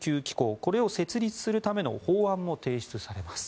これを設立するための法案も提出されます。